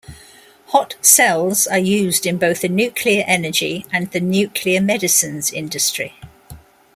Hot cells are used in both the nuclear-energy and the nuclear-medicines industries.